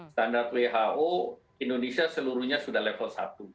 standar who indonesia seluruhnya sudah level satu